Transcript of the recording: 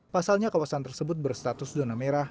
pasalnya kawasan tersebut berstatus zona merah